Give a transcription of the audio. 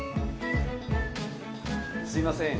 すいません。